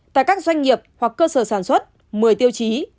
tại các doanh nghiệp hoặc cơ sở sản xuất một mươi tiêu chí